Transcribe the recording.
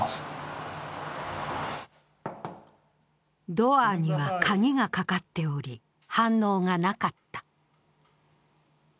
ドアには鍵がかかっており、反応がなかった。